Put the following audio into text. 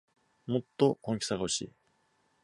もっと本気さがほしい